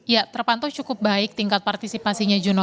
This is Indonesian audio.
ya terpantau cukup baik tingkat partisipasinya juno